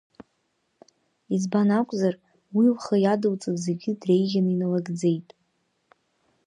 Избан акәзар, уи лхы иадылҵаз зегьы дреиӷьны иналыгӡеит.